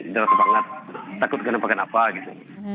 ini rasa banget takut karena pakaian apa gitu